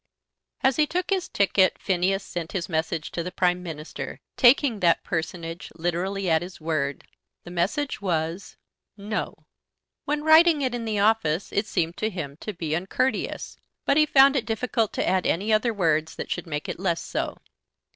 As he took his ticket Phineas sent his message to the Prime Minister, taking that personage literally at his word. The message was, No. When writing it in the office it seemed to him to be uncourteous, but he found it difficult to add any other words that should make it less so.